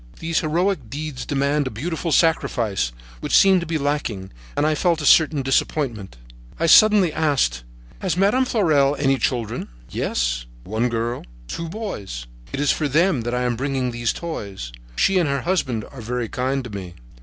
These heroic deeds demand a beautiful sacrifice, which seemed to be lacking, and I felt a certain disappointment. I suddenly asked: "Has Madame de Fleurel any children?" "Yes, one girl and two boys. It is for them that I am bringing these toys. She and her husband are very kind to me."